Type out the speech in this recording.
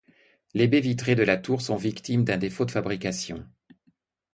Les baies vitrées de la tour sont victimes d'un défaut de fabrication.